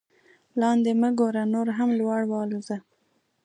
لاندې مه ګوره نور هم لوړ والوځه.